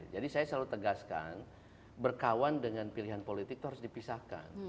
saya selalu tegaskan berkawan dengan pilihan politik itu harus dipisahkan